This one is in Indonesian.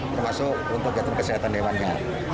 termasuk untuk jatuh kesehatan lewannya